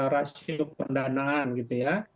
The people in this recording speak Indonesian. rasio pendanaan gitu ya